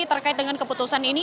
terkait dengan keputusan ini